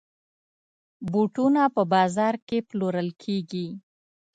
بوټونه په بازاز کې پلورل کېږي.